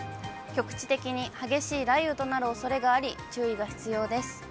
局地的に激しい雷雨となるおそれがあり、注意が必要です。